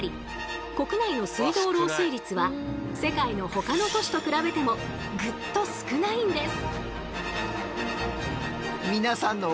国内の水道漏水率は世界のほかの都市と比べてもグッと少ないんです。